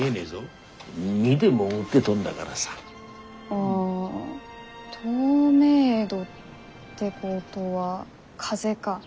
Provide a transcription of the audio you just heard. ああ透明度ってことは風か。